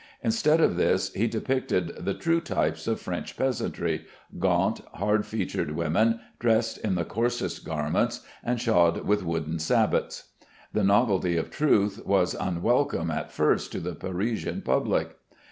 Instead of this, he depicted the true types of French peasantry, gaunt, hard featured women, dressed in the coarsest garments, and shod with wooden sabots. The novelty of truth was unwelcome at first to the Parisian public.